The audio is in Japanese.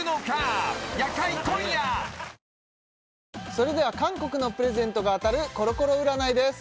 それでは韓国のプレゼントが当たるコロコロ占いです